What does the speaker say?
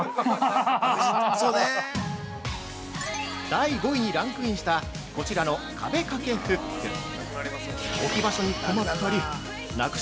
◆第５位にランクインしたこちらの壁掛けフック。